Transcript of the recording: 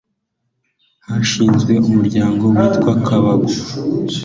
hashinzwe umuryango witwa kabangu